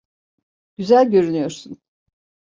Güzel görünüyorsun.